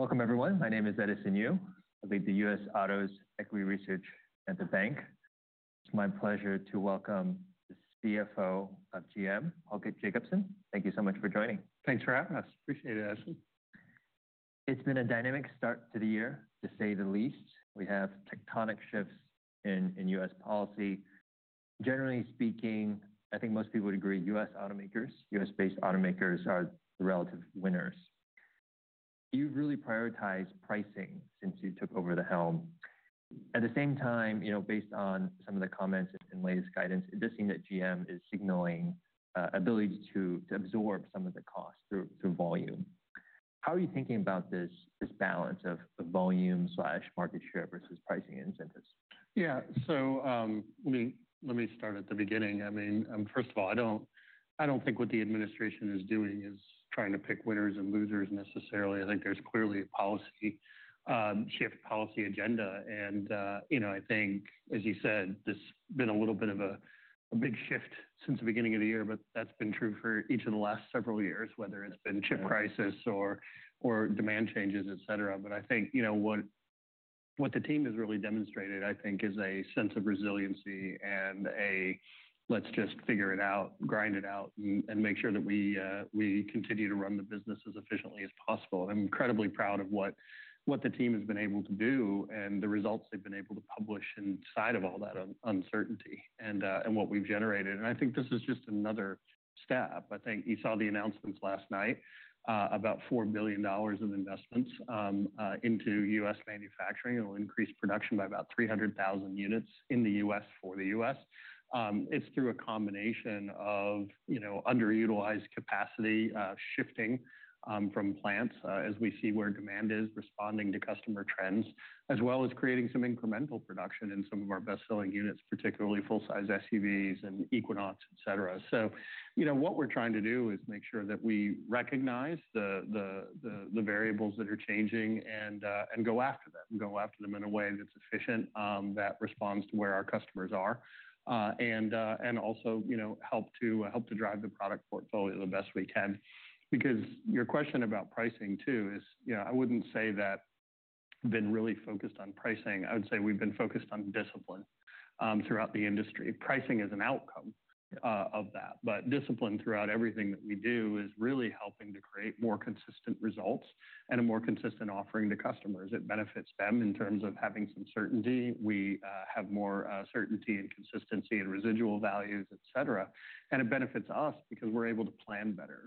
Welcome, everyone. My name is Edison Yu. I lead the U.S. Autos Equity Research at the bank. It's my pleasure to welcome the CFO of GM, Paul Jacobson. Thank you so much for joining. Thanks for having us. Appreciate it, Edison. It's been a dynamic start to the year, to say the least. We have tectonic shifts in U.S. policy. Generally speaking, I think most people would agree U.S. automakers, U.S.-based automakers, are the relative winners. You've really prioritized pricing since you took over the helm. At the same time, based on some of the comments and latest guidance, it does seem that GM is signaling ability to absorb some of the cost through volume. How are you thinking about this balance of volume/market share versus pricing incentives? Yeah. Let me start at the beginning. I mean, first of all, I do not think what the administration is doing is trying to pick winners and losers necessarily. I think there is clearly a policy shift, policy agenda. I think, as you said, there has been a little bit of a big shift since the beginning of the year, but that has been true for each of the last several years, whether it has been chip crisis or demand changes, et cetera. I think what the team has really demonstrated, I think, is a sense of resiliency and a, let's just figure it out, grind it out, and make sure that we continue to run the business as efficiently as possible. I'm incredibly proud of what the team has been able to do and the results they've been able to publish in spite of all that uncertainty and what we've generated. I think this is just another step. I think you saw the announcements last night about $4 billion of investments into U.S. manufacturing. It'll increase production by about 300,000 units in the U.S. for the U.S. It's through a combination of underutilized capacity, shifting from plants as we see where demand is, responding to customer trends, as well as creating some incremental production in some of our best-selling units, particularly full-size SUVs and Equinox, et cetera. What we're trying to do is make sure that we recognize the variables that are changing and go after them and go after them in a way that's efficient, that responds to where our customers are, and also help to drive the product portfolio the best we can. Your question about pricing, too, is I wouldn't say that we've been really focused on pricing. I would say we've been focused on discipline throughout the industry. Pricing is an outcome of that. Discipline throughout everything that we do is really helping to create more consistent results and a more consistent offering to customers. It benefits them in terms of having some certainty. We have more certainty and consistency and residual values, et cetera. It benefits us because we're able to plan better.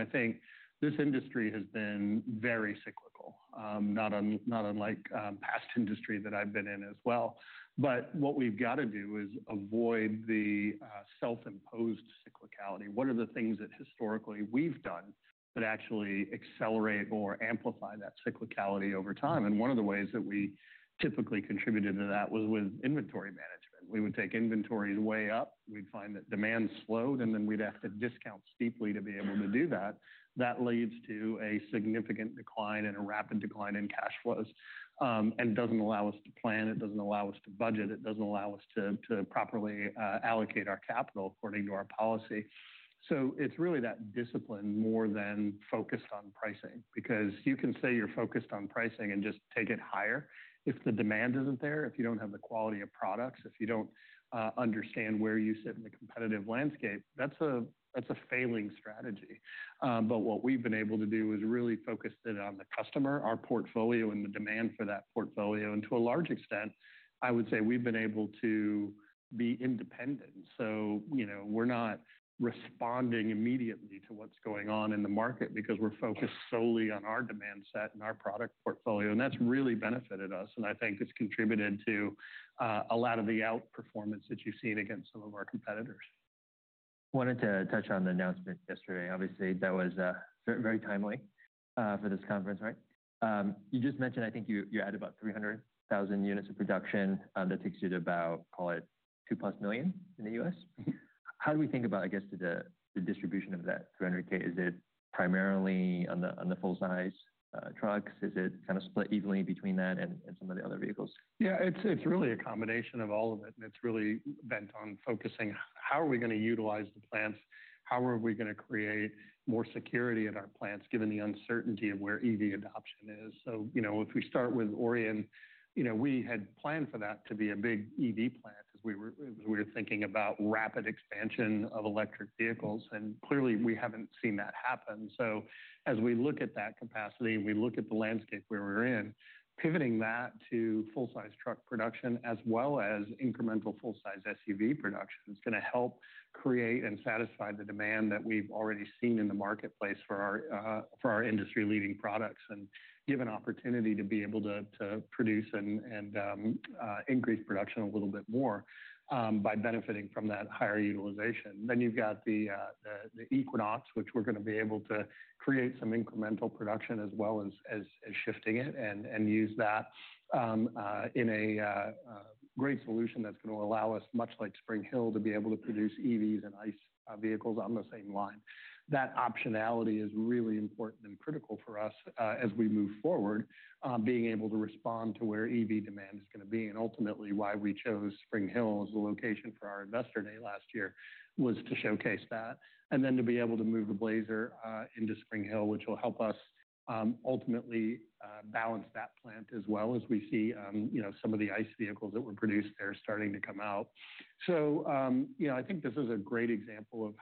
I think this industry has been very cyclical, not unlike past industry that I've been in as well. What we've got to do is avoid the self-imposed cyclicality. What are the things that historically we've done that actually accelerate or amplify that cyclicality over time? One of the ways that we typically contributed to that was with inventory management. We would take inventories way up. We'd find that demand slowed, and then we'd have to discount steeply to be able to do that. That leads to a significant decline and a rapid decline in cash flows and doesn't allow us to plan. It doesn't allow us to budget. It doesn't allow us to properly allocate our capital according to our policy. It's really that discipline more than focused on pricing. Because you can say you're focused on pricing and just take it higher if the demand isn't there, if you don't have the quality of products, if you don't understand where you sit in the competitive landscape. That is a failing strategy. What we've been able to do is really focus in on the customer, our portfolio, and the demand for that portfolio. To a large extent, I would say we've been able to be independent. We are not responding immediately to what's going on in the market because we're focused solely on our demand set and our product portfolio. That has really benefited us. I think it has contributed to a lot of the outperformance that you've seen against some of our competitors. Wanted to touch on the announcement yesterday. Obviously, that was very timely for this conference, right? You just mentioned, I think you're at about 300,000 units of production. That takes you to about, call it, two-plus million in the U.S. How do we think about, I guess, the distribution of that 300,000? Is it primarily on the full-size trucks? Is it kind of split evenly between that and some of the other vehicles? Yeah. It's really a combination of all of it. It's really bent on focusing how are we going to utilize the plants, how are we going to create more security at our plants, given the uncertainty of where EV adoption is. If we start with Orion, we had planned for that to be a big EV plant as we were thinking about rapid expansion of electric vehicles. Clearly, we haven't seen that happen. As we look at that capacity and we look at the landscape where we're in, pivoting that to full-size truck production as well as incremental full-size SUV production is going to help create and satisfy the demand that we've already seen in the marketplace for our industry-leading products and give an opportunity to be able to produce and increase production a little bit more by benefiting from that higher utilization. You have the Equinox, which we're going to be able to create some incremental production as well as shifting it and use that in a great solution that's going to allow us, much like Spring Hill, to be able to produce EVs and ICE vehicles on the same line. That optionality is really important and critical for us as we move forward, being able to respond to where EV demand is going to be. Ultimately, why we chose Spring Hill as the location for our investor day last year was to showcase that and then to be able to move the Blazer into Spring Hill, which will help us ultimately balance that plant as well as we see some of the ICE vehicles that were produced there starting to come out. I think this is a great example of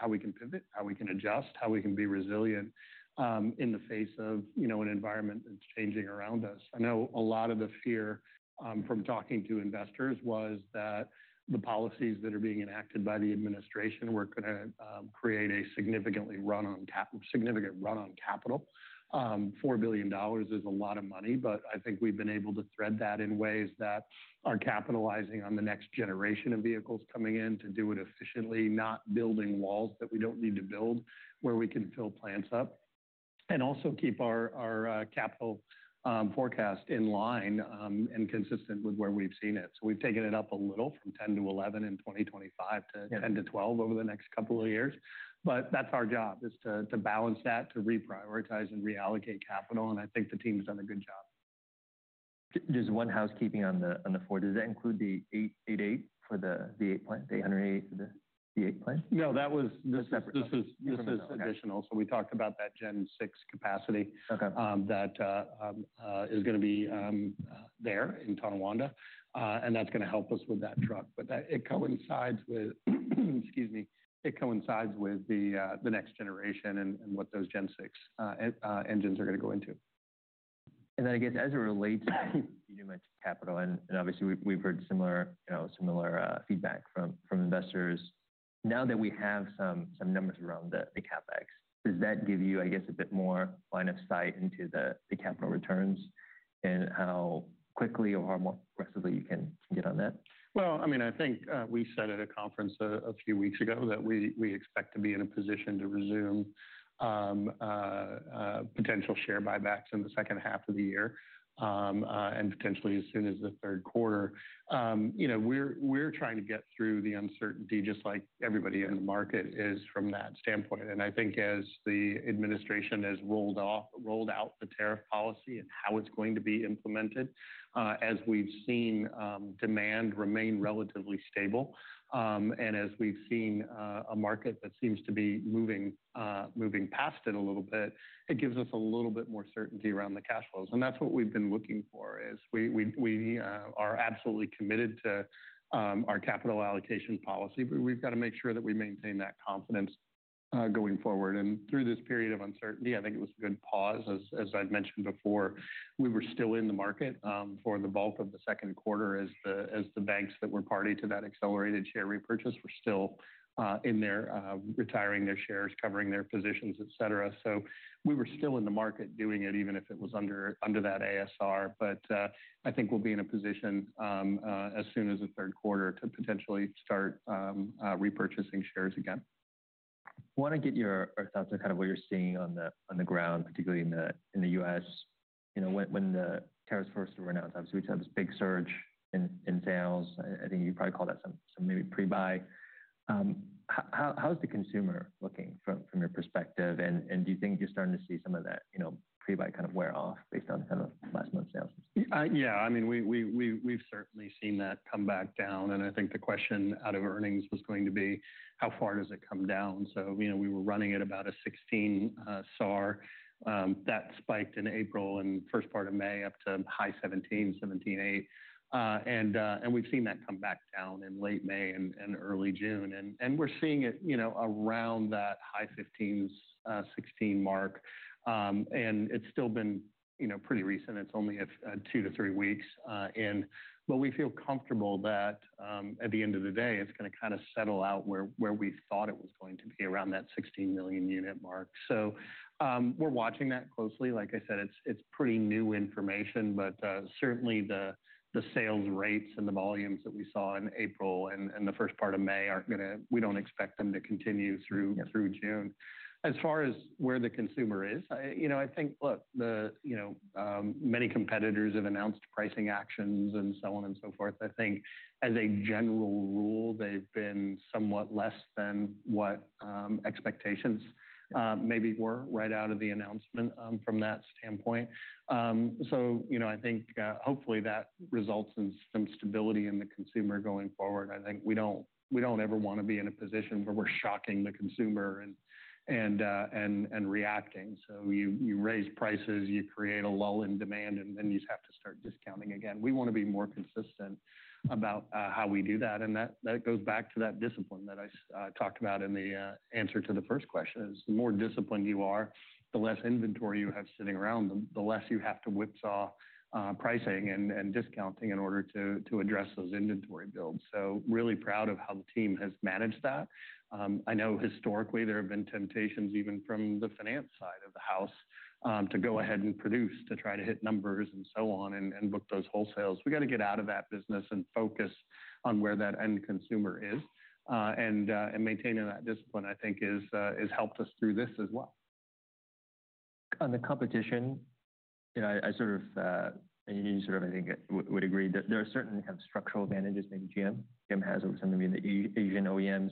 how we can pivot, how we can adjust, how we can be resilient in the face of an environment that's changing around us. I know a lot of the fear from talking to investors was that the policies that are being enacted by the administration were going to create a significant run on capital. $4 billion is a lot of money, but I think we've been able to thread that in ways that are capitalizing on the next generation of vehicles coming in to do it efficiently, not building walls that we don't need to build where we can fill plants up and also keep our capital forecast in line and consistent with where we've seen it. We've taken it up a little from 10 to 11 in 2025 to 10-12 over the next couple of years. That's our job, is to balance that, to reprioritize and reallocate capital. I think the team's done a good job. Just one housekeeping on the Ford. Does that include the 888 for the 8808, the 8808 plant? No, that was the separate one. This is additional. We talked about that Gen 6 capacity that is going to be there in Tonawanda. That is going to help us with that truck. It coincides with, excuse me, it coincides with the next generation and what those Gen 6 engines are going to go into. I guess, as it relates to you mentioned capital. Obviously, we've heard similar feedback from investors. Now that we have some numbers around the CapEx, does that give you, I guess, a bit more line of sight into the capital returns and how quickly or how more aggressively you can get on that? I mean, I think we said at a conference a few weeks ago that we expect to be in a position to resume potential share buybacks in the second half of the year and potentially as soon as the third quarter. We're trying to get through the uncertainty, just like everybody in the market is from that standpoint. I think as the administration has rolled out the tariff policy and how it's going to be implemented, as we've seen demand remain relatively stable and as we've seen a market that seems to be moving past it a little bit, it gives us a little bit more certainty around the cash flows. That's what we've been looking for, is we are absolutely committed to our capital allocation policy, but we've got to make sure that we maintain that confidence going forward. Through this period of uncertainty, I think it was a good pause. As I've mentioned before, we were still in the market for the bulk of the second quarter as the banks that were party to that accelerated share repurchase were still in there retiring their shares, covering their positions, et cetera. We were still in the market doing it, even if it was under that ASR. I think we'll be in a position as soon as the third quarter to potentially start repurchasing shares again. I want to get your thoughts on kind of what you're seeing on the ground, particularly in the U.S. When the tariffs first were announced, obviously, we saw this big surge in sales. I think you probably called that some maybe pre-buy. How is the consumer looking from your perspective? Do you think you're starting to see some of that pre-buy kind of wear off based on kind of last month's sales? Yeah. I mean, we've certainly seen that come back down. I think the question out of earnings was going to be, how far does it come down? We were running at about a 16 SAAR. That spiked in April and first part of May up to high 17, 17.8. We've seen that come back down in late May and early June. We're seeing it around that high 15s, 16 mark. It's still been pretty recent. It's only two to three weeks. We feel comfortable that at the end of the day, it's going to kind of settle out where we thought it was going to be around that 16 million unit mark. We're watching that closely. Like I said, it's pretty new information. Certainly, the sales rates and the volumes that we saw in April and the first part of May are not going to, we do not expect them to continue through June. As far as where the consumer is, I think, look, many competitors have announced pricing actions and so on and so forth. I think as a general rule, they have been somewhat less than what expectations maybe were right out of the announcement from that standpoint. I think hopefully that results in some stability in the consumer going forward. I think we do not ever want to be in a position where we are shocking the consumer and reacting. You raise prices, you create a lull in demand, and then you have to start discounting again. We want to be more consistent about how we do that. That goes back to that discipline that I talked about in the answer to the first question. The more disciplined you are, the less inventory you have sitting around, the less you have to whipsaw pricing and discounting in order to address those inventory builds. Really proud of how the team has managed that. I know historically, there have been temptations even from the finance side of the house to go ahead and produce to try to hit numbers and so on and book those wholesales. We got to get out of that business and focus on where that end consumer is. Maintaining that discipline, I think, has helped us through this as well. On the competition, I sort of, and you sort of, I think, would agree that there are certain kind of structural advantages, maybe GM has over some of the Asian OEMs.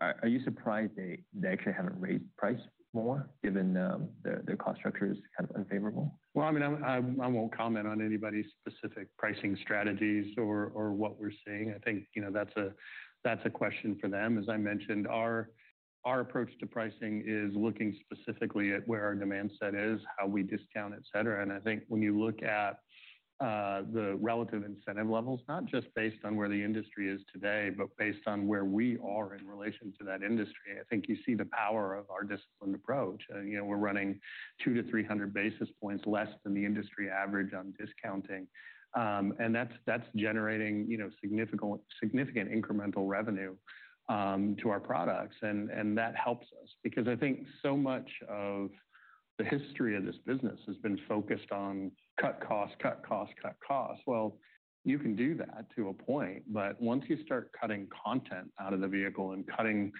Are you surprised they actually haven't raised price more given their cost structure is kind of unfavorable? I mean, I will not comment on anybody's specific pricing strategies or what we are seeing. I think that is a question for them. As I mentioned, our approach to pricing is looking specifically at where our demand set is, how we discount, et cetera. I think when you look at the relative incentive levels, not just based on where the industry is today, but based on where we are in relation to that industry, I think you see the power of our disciplined approach. We are running two to three hundred basis points less than the industry average on discounting. That is generating significant incremental revenue to our products. That helps us because I think so much of the history of this business has been focused on cut costs, cut costs, cut costs. You can do that to a point. Once you start cutting content out of the vehicle and cutting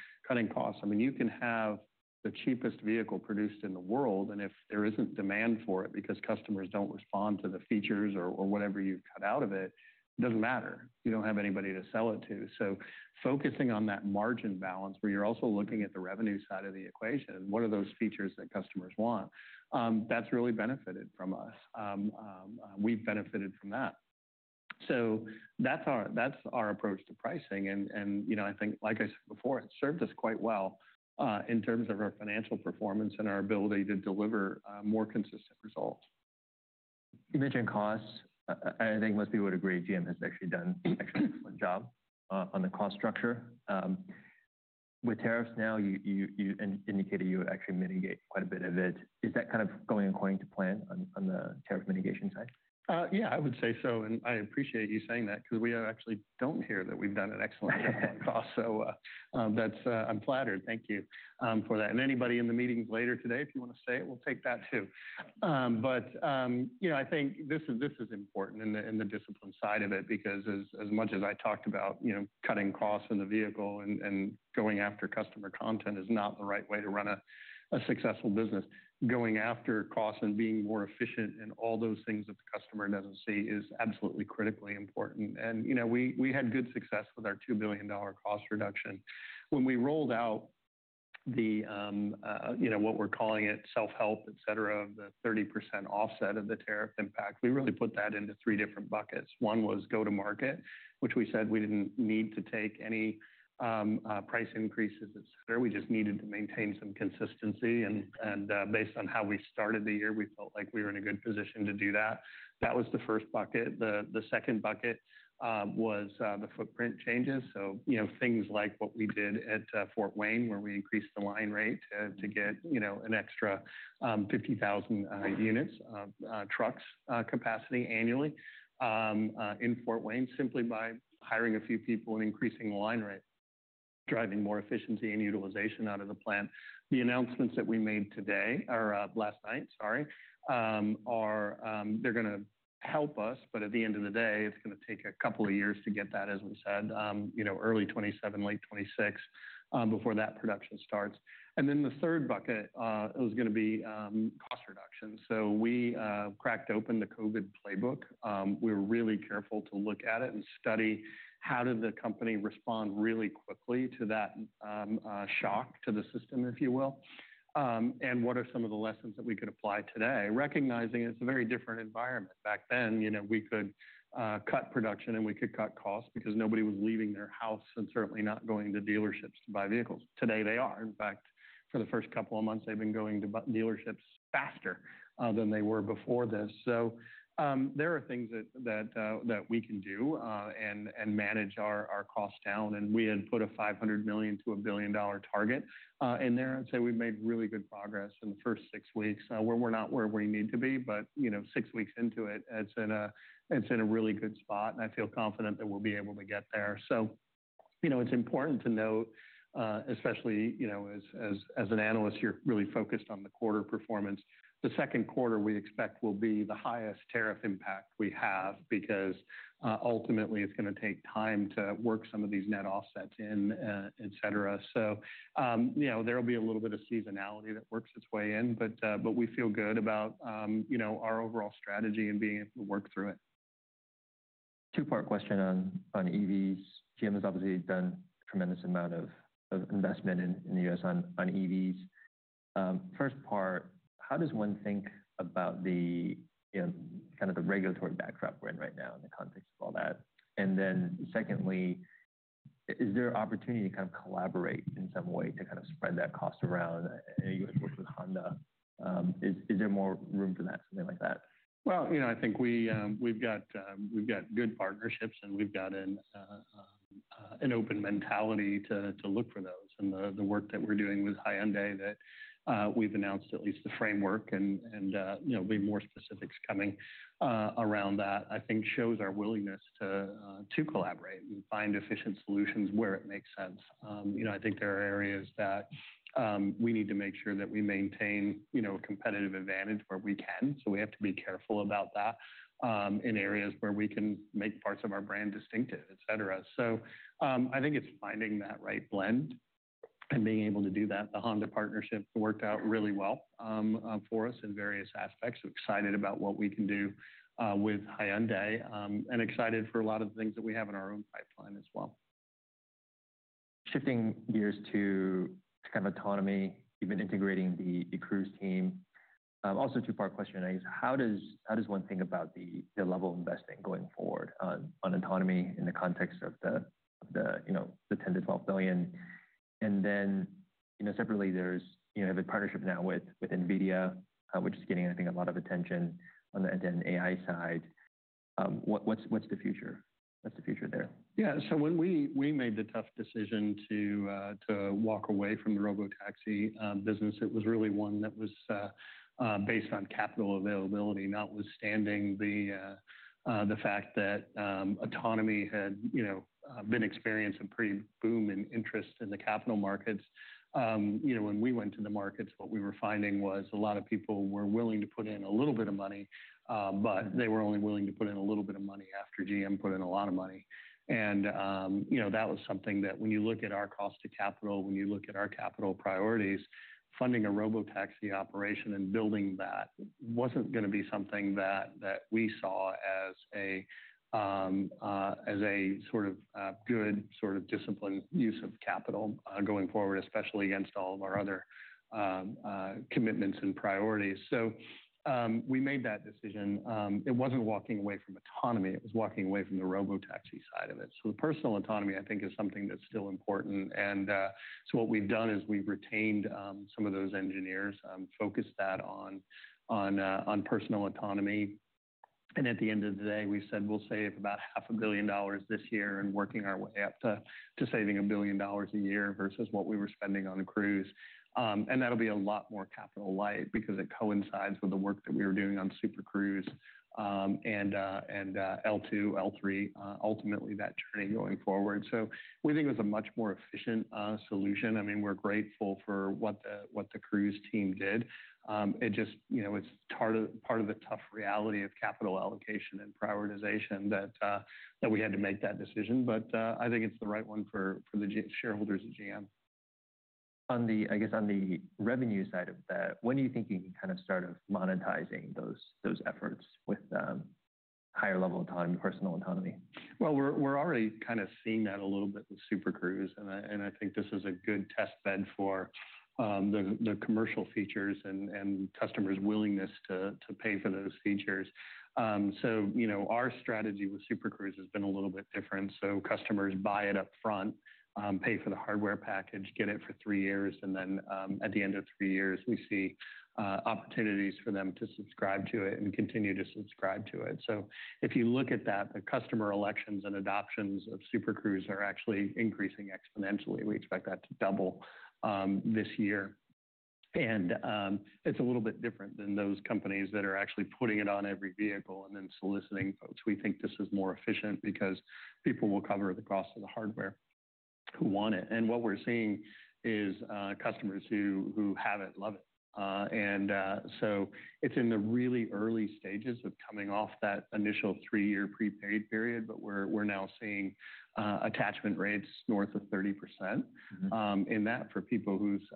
costs, I mean, you can have the cheapest vehicle produced in the world. If there is not demand for it because customers do not respond to the features or whatever you have cut out of it, it does not matter. You do not have anybody to sell it to. Focusing on that margin balance where you are also looking at the revenue side of the equation and what are those features that customers want, that has really benefited us. We have benefited from that. That is our approach to pricing. I think, like I said before, it has served us quite well in terms of our financial performance and our ability to deliver more consistent results. You mentioned costs. I think most people would agree GM has actually done an excellent job on the cost structure. With tariffs now, you indicated you would actually mitigate quite a bit of it. Is that kind of going according to plan on the tariff mitigation side? Yeah, I would say so. I appreciate you saying that because we actually do not hear that we have done an excellent job on costs. I am flattered. Thank you for that. Anybody in the meetings later today, if you want to say it, we will take that too. I think this is important in the discipline side of it because as much as I talked about cutting costs in the vehicle and going after customer content is not the right way to run a successful business, going after costs and being more efficient in all those things that the customer does not see is absolutely critically important. We had good success with our $2 billion cost reduction. When we rolled out what we are calling it self-help, et cetera, the 30% offset of the tariff impact, we really put that into three different buckets. One was go-to-market, which we said we did not need to take any price increases, et cetera. We just needed to maintain some consistency. Based on how we started the year, we felt like we were in a good position to do that. That was the first bucket. The second bucket was the footprint changes. Things like what we did at Fort Wayne where we increased the line rate to get an extra 50,000 units of trucks capacity annually in Fort Wayne simply by hiring a few people and increasing the line rate, driving more efficiency and utilization out of the plant. The announcements that we made today or last night, sorry, are going to help us. At the end of the day, it is going to take a couple of years to get that, as we said, early 2027, late 2026 before that production starts. The third bucket was going to be cost reduction. We cracked open the COVID playbook. We were really careful to look at it and study how did the company respond really quickly to that shock to the system, if you will, and what are some of the lessons that we could apply today, recognizing it's a very different environment. Back then, we could cut production and we could cut costs because nobody was leaving their house and certainly not going to dealerships to buy vehicles. Today, they are. In fact, for the first couple of months, they've been going to dealerships faster than they were before this. There are things that we can do and manage our costs down. We had put a $500 million-$1 billion target in there. I'd say we've made really good progress in the first six weeks. We're not where we need to be, but six weeks into it, it's in a really good spot. I feel confident that we'll be able to get there. It is important to note, especially as an analyst, you're really focused on the quarter performance. The second quarter, we expect will be the highest tariff impact we have because ultimately, it's going to take time to work some of these net offsets in, et cetera. There will be a little bit of seasonality that works its way in. We feel good about our overall strategy and being able to work through it. Two-part question on EVs. GM has obviously done a tremendous amount of investment in the U.S. on EVs. First part, how does one think about kind of the regulatory backdrop we're in right now in the context of all that? Secondly, is there opportunity to kind of collaborate in some way to kind of spread that cost around? I know you had worked with Honda. Is there more room for that, something like that? I think we've got good partnerships and we've got an open mentality to look for those. The work that we're doing with Hyundai that we've announced, at least the framework and maybe more specifics coming around that, I think shows our willingness to collaborate and find efficient solutions where it makes sense. I think there are areas that we need to make sure that we maintain a competitive advantage where we can. We have to be careful about that in areas where we can make parts of our brand distinctive, et cetera. I think it's finding that right blend and being able to do that. The Honda partnership worked out really well for us in various aspects. We're excited about what we can do with Hyundai and excited for a lot of the things that we have in our own pipeline as well. Shifting gears to kind of autonomy, even integrating the Cruise team. Also two-part question, I guess. How does one think about the level of investing going forward on autonomy in the context of the $10-$12 billion? And then separately, there's a partnership now with NVIDIA, which is getting, I think, a lot of attention on the AI side. What's the future? What's the future there? Yeah. When we made the tough decision to walk away from the robotaxi business, it was really one that was based on capital availability, notwithstanding the fact that autonomy had been experiencing a pretty boom in interest in the capital markets. When we went to the markets, what we were finding was a lot of people were willing to put in a little bit of money, but they were only willing to put in a little bit of money after GM put in a lot of money. That was something that when you look at our cost to capital, when you look at our capital priorities, funding a robotaxi operation and building that was not going to be something that we saw as a sort of good sort of disciplined use of capital going forward, especially against all of our other commitments and priorities. We made that decision. It was not walking away from autonomy. It was walking away from the robotaxi side of it. The personal autonomy, I think, is something that is still important. What we have done is we have retained some of those engineers, focused that on personal autonomy. At the end of the day, we said we will save about $500,000,000 this year and are working our way up to saving $1,000,000,000 a year versus what we were spending on Cruise. That will be a lot more capital light because it coincides with the work that we were doing on Super Cruise and L2, L3, ultimately that journey going forward. We think it was a much more efficient solution. I mean, we are grateful for what the Cruise team did. It is part of the tough reality of capital allocation and prioritization that we had to make that decision. I think it's the right one for the shareholders of GM. I guess on the revenue side of that, when do you think you can kind of start monetizing those efforts with higher level of personal autonomy? We're already kind of seeing that a little bit with Super Cruise. I think this is a good test bed for the commercial features and customers' willingness to pay for those features. Our strategy with Super Cruise has been a little bit different. Customers buy it upfront, pay for the hardware package, get it for three years. At the end of three years, we see opportunities for them to subscribe to it and continue to subscribe to it. If you look at that, the customer elections and adoptions of Super Cruise are actually increasing exponentially. We expect that to double this year. It's a little bit different than those companies that are actually putting it on every vehicle and then soliciting folks. We think this is more efficient because people will cover the cost of the hardware who want it. What we're seeing is customers who have it love it. It is in the really early stages of coming off that initial three-year prepaid period. We are now seeing attachment rates north of 30% for people whose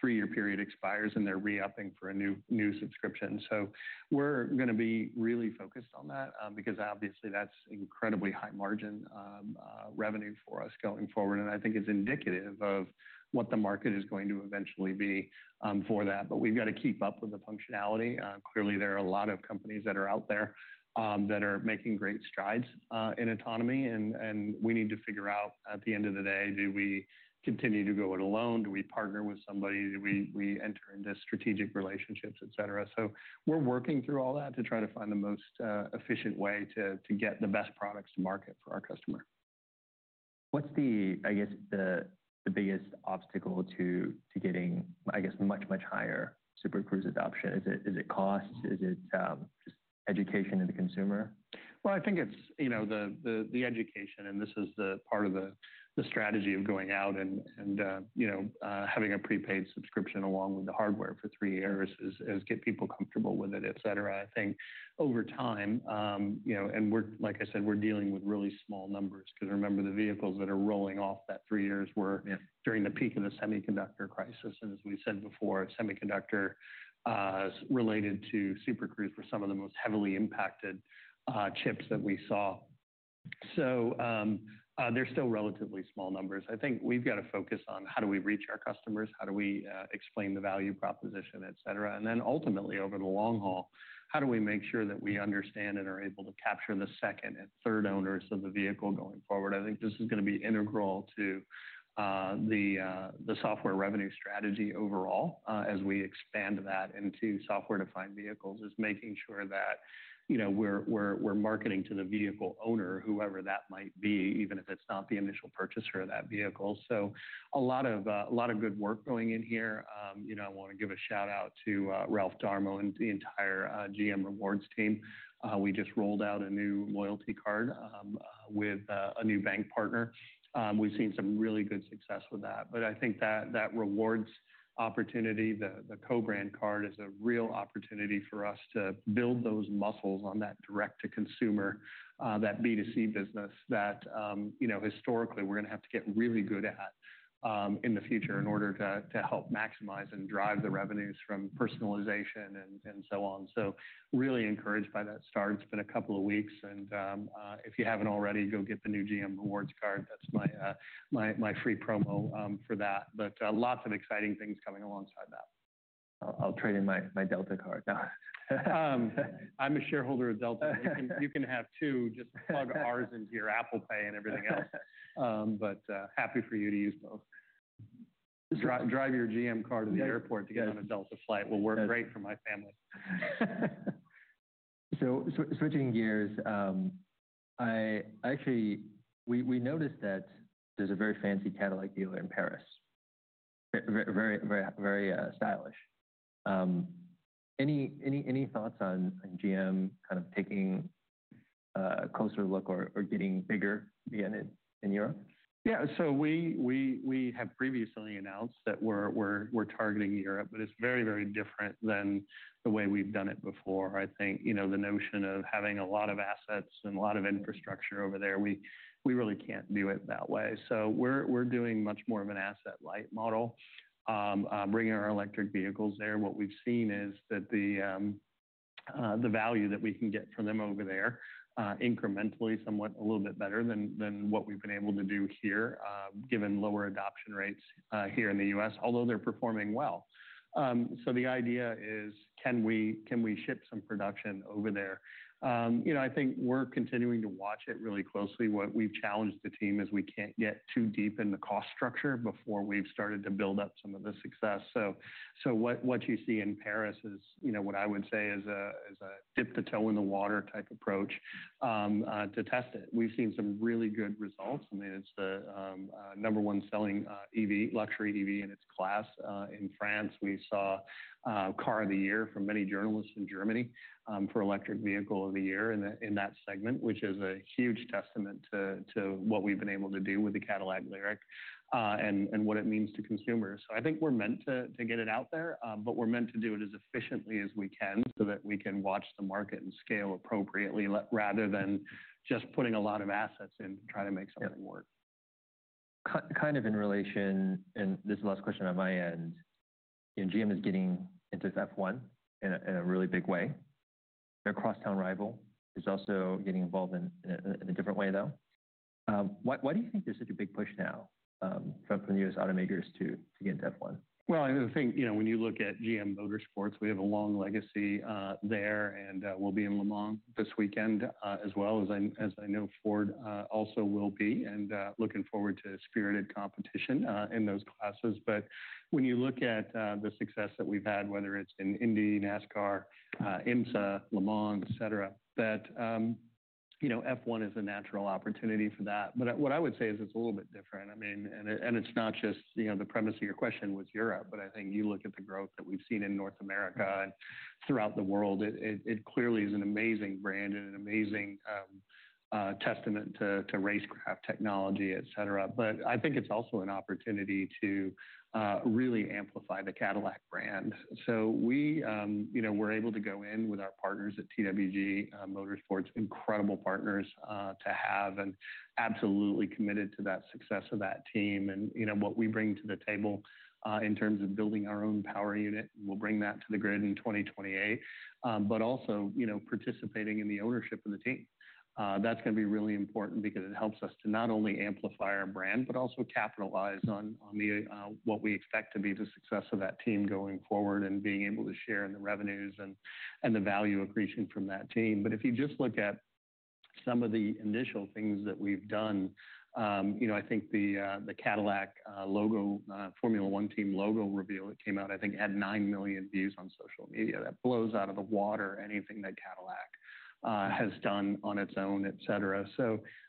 three-year period expires and they are re-upping for a new subscription. We are going to be really focused on that because obviously that is incredibly high margin revenue for us going forward. I think it is indicative of what the market is going to eventually be for that. We have to keep up with the functionality. Clearly, there are a lot of companies out there that are making great strides in autonomy. We need to figure out at the end of the day, do we continue to go it alone? Do we partner with somebody? Do we enter into strategic relationships, et cetera? We're working through all that to try to find the most efficient way to get the best products to market for our customer. What's the, I guess, the biggest obstacle to getting, I guess, much, much higher Super Cruise adoption? Is it costs? Is it just education to the consumer? I think it is the education. This is part of the strategy of going out and having a prepaid subscription along with the hardware for three years, to get people comfortable with it, et cetera. I think over time, like I said, we are dealing with really small numbers because remember the vehicles that are rolling off that three years were during the peak of the semiconductor crisis. As we said before, semiconductors related to Super Cruise were some of the most heavily impacted chips that we saw. They are still relatively small numbers. I think we have to focus on how do we reach our customers, how do we explain the value proposition, et cetera. Ultimately, over the long haul, how do we make sure that we understand and are able to capture the second and third owners of the vehicle going forward? I think this is going to be integral to the software revenue strategy overall as we expand that into software-defined vehicles, making sure that we're marketing to the vehicle owner, whoever that might be, even if it's not the initial purchaser of that vehicle. A lot of good work going in here. I want to give a shout-out to Ralph Darmo and the entire GM Rewards team. We just rolled out a new loyalty card with a new bank partner. We've seen some really good success with that. I think that rewards opportunity, the CoBrand card, is a real opportunity for us to build those muscles on that direct-to-consumer, that B2C business that historically we're going to have to get really good at in the future in order to help maximize and drive the revenues from personalization and so on. Really encouraged by that start. It's been a couple of weeks. If you haven't already, go get the new GM Rewards card. That's my free promo for that. Lots of exciting things coming alongside that. I'll trade in my Delta card now. I'm a shareholder of Delta. You can have two, just plug ours into your Apple Pay and everything else. Happy for you to use both. Drive your GM car to the airport to get on a Delta flight will work great for my family. Switching gears, actually, we noticed that there's a very fancy Cadillac dealer in Paris, very stylish. Any thoughts on GM kind of taking a closer look or getting bigger in Europe? Yeah. We have previously announced that we're targeting Europe, but it's very, very different than the way we've done it before. I think the notion of having a lot of assets and a lot of infrastructure over there, we really can't do it that way. We're doing much more of an asset-light model, bringing our electric vehicles there. What we've seen is that the value that we can get from them over there incrementally is somewhat a little bit better than what we've been able to do here, given lower adoption rates here in the U.S., although they're performing well. The idea is, can we ship some production over there? I think we're continuing to watch it really closely. What we've challenged the team is we can't get too deep in the cost structure before we've started to build up some of the success. What you see in Paris is what I would say is a dip the toe in the water type approach to test it. We've seen some really good results. I mean, it's the number one selling luxury EV in its class. In France, we saw Car of the Year from many journalists in Germany for electric vehicle of the year in that segment, which is a huge testament to what we've been able to do with the Cadillac Lyriq and what it means to consumers. I think we're meant to get it out there, but we're meant to do it as efficiently as we can so that we can watch the market and scale appropriately rather than just putting a lot of assets in to try to make something work. Kind of in relation, and this is the last question on my end, GM is getting into F1 in a really big way. Their crosstown rival is also getting involved in a different way, though. Why do you think there's such a big push now from the U.S. automakers to get into F1? I think when you look at GM Motorsports, we have a long legacy there. We'll be in Le Mans this weekend as well, as I know Ford also will be. Looking forward to spirited competition in those classes. When you look at the success that we've had, whether it's in Indy, NASCAR, IMSA, Le Mans, et cetera, F1 is a natural opportunity for that. What I would say is it's a little bit different. I mean, it's not just the premise of your question was Europe, but I think you look at the growth that we've seen in North America and throughout the world, it clearly is an amazing brand and an amazing testament to racecraft technology, et cetera. I think it's also an opportunity to really amplify the Cadillac brand. We were able to go in with our partners at TWG Motorsports, incredible partners to have, and absolutely committed to that success of that team. What we bring to the table in terms of building our own power unit, we'll bring that to the grid in 2028, but also participating in the ownership of the team. That's going to be really important because it helps us to not only amplify our brand, but also capitalize on what we expect to be the success of that team going forward and being able to share in the revenues and the value accretion from that team. If you just look at some of the initial things that we've done, I think the Cadillac logo, Formula One team logo reveal that came out, I think it had 9 million views on social media. That blows out of the water anything that Cadillac has done on its own, et cetera.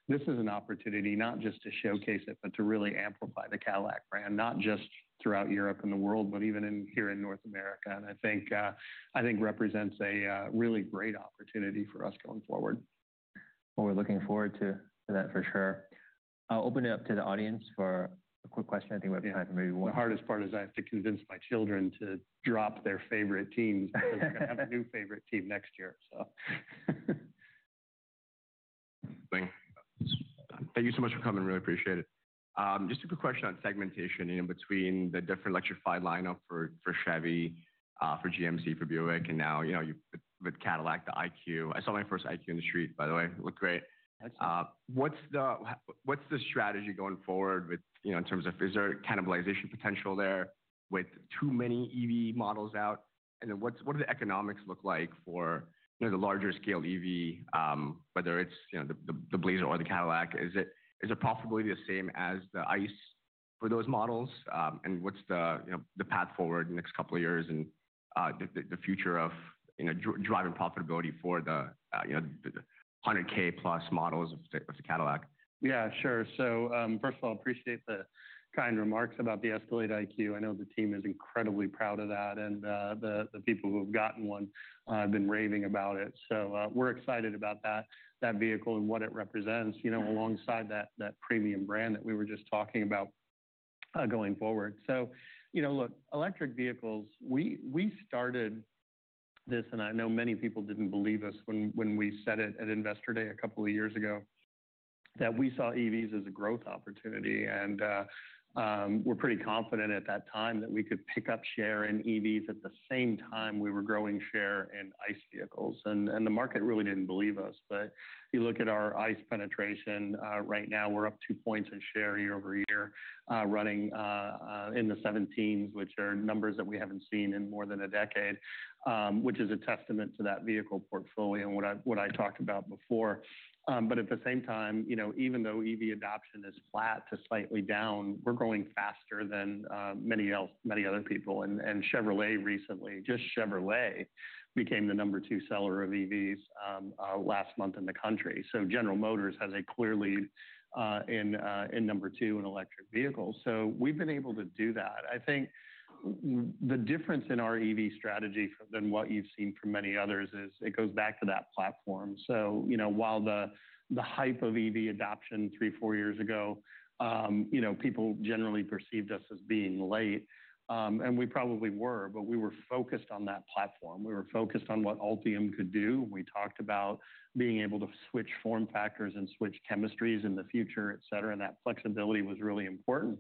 This is an opportunity not just to showcase it, but to really amplify the Cadillac brand, not just throughout Europe and the world, but even here in North America. I think it represents a really great opportunity for us going forward. We're looking forward to that for sure. I'll open it up to the audience for a quick question. I think we have time for maybe one. The hardest part is I have to convince my children to drop their favorite teams because they're going to have a new favorite team next year. Thank you so much for coming. Really appreciate it. Just a quick question on segmentation between the different electrified lineup for Chevy, for GMC, for Buick, and now with Cadillac, the IQ. I saw my first IQ in the street, by the way. It looked great. What's the strategy going forward in terms of is there cannibalization potential there with too many EV models out? What do the economics look like for the larger scale EV, whether it's the Blazer or the Cadillac? Is it profitably the same as the ICE for those models? What's the path forward in the next couple of years and the future of driving profitability for the 100K plus models of the Cadillac? Yeah, sure. First of all, I appreciate the kind remarks about the Escalade IQ. I know the team is incredibly proud of that. The people who have gotten one have been raving about it. We are excited about that vehicle and what it represents alongside that premium brand that we were just talking about going forward. Electric vehicles, we started this, and I know many people did not believe us when we said it at Investor Day a couple of years ago that we saw EVs as a growth opportunity. We were pretty confident at that time that we could pick up share in EVs at the same time we were growing share in ICE vehicles. The market really did not believe us. If you look at our ICE penetration, right now we're up two points in share year over year running in the 17s, which are numbers that we haven't seen in more than a decade, which is a testament to that vehicle portfolio and what I talked about before. At the same time, even though EV adoption is flat to slightly down, we're going faster than many other people. Chevrolet recently, just Chevrolet, became the number two seller of EVs last month in the country. General Motors has a clear lead in number two in electric vehicles. We've been able to do that. I think the difference in our EV strategy than what you've seen from many others is it goes back to that platform. While the hype of EV adoption three, four years ago, people generally perceived us as being late, and we probably were, but we were focused on that platform. We were focused on what Ultium could do. We talked about being able to switch form factors and switch chemistries in the future, et cetera. That flexibility was really important,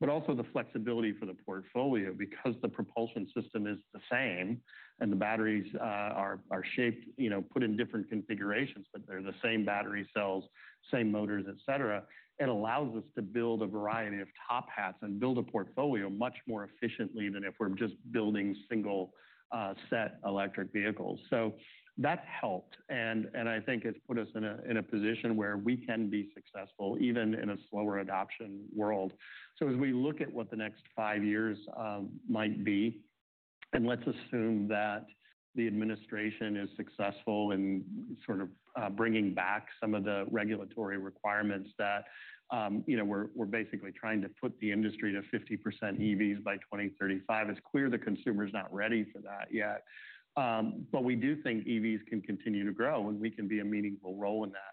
but also the flexibility for the portfolio because the propulsion system is the same and the batteries are shaped, put in different configurations, but they are the same battery cells, same motors, et cetera. It allows us to build a variety of top hats and build a portfolio much more efficiently than if we are just building single set electric vehicles. That helped. I think it has put us in a position where we can be successful even in a slower adoption world. As we look at what the next five years might be, and let's assume that the administration is successful in sort of bringing back some of the regulatory requirements that were basically trying to put the industry to 50% EVs by 2035. It's clear the consumer is not ready for that yet. We do think EVs can continue to grow and we can be a meaningful role in that.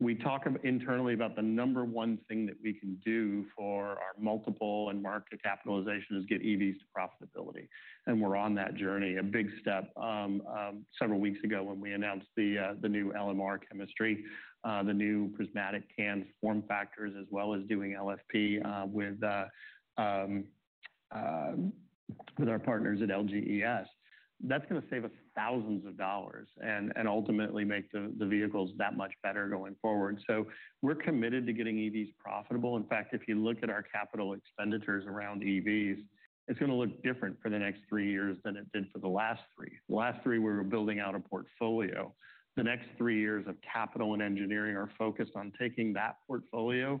We talk internally about the number one thing that we can do for our multiple and market capitalization is get EVs to profitability. We're on that journey. A big step several weeks ago when we announced the new LMR chemistry, the new prismatic cans form factors, as well as doing LFP with our partners at LGES. That's going to save us thousands of dollars and ultimately make the vehicles that much better going forward. We're committed to getting EVs profitable. In fact, if you look at our capital expenditures around EVs, it's going to look different for the next three years than it did for the last three. The last three, we were building out a portfolio. The next three years of capital and engineering are focused on taking that portfolio and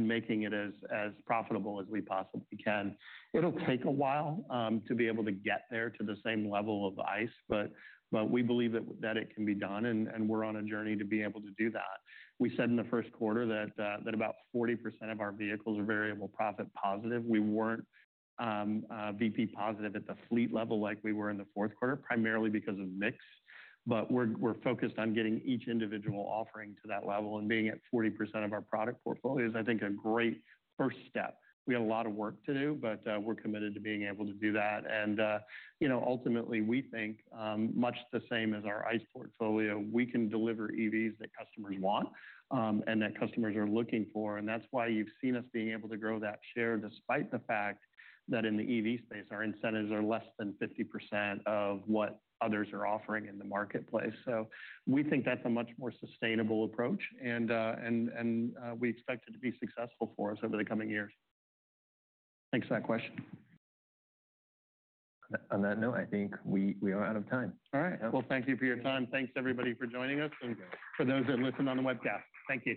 making it as profitable as we possibly can. It'll take a while to be able to get there to the same level of ICE, but we believe that it can be done. We're on a journey to be able to do that. We said in the first quarter that about 40% of our vehicles are variable profit positive. We weren't VP positive at the fleet level like we were in the fourth quarter, primarily because of mix. We're focused on getting each individual offering to that level and being at 40% of our product portfolio is, I think, a great first step. We have a lot of work to do, but we're committed to being able to do that. Ultimately, we think much the same as our ICE portfolio, we can deliver EVs that customers want and that customers are looking for. That's why you've seen us being able to grow that share despite the fact that in the EV space, our incentives are less than 50% of what others are offering in the marketplace. We think that's a much more sustainable approach. We expect it to be successful for us over the coming years. Thanks for that question. On that note, I think we are out of time. All right. Thank you for your time. Thanks, everybody, for joining us. For those that listen on the webcast, thank you.